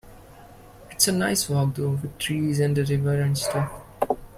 It's a nice walk though, with trees and a river and stuff.